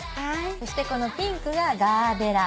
そしてこのピンクがガーベラ。